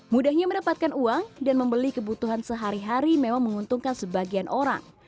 mudahnya mendapatkan uang dan membeli kebutuhan sehari hari memang menguntungkan sebagian orang